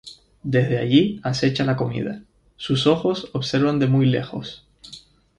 Desde allí acecha la comida: Sus ojos observan de muy lejos.